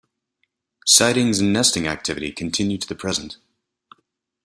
Sightings and nesting activity continue to the present.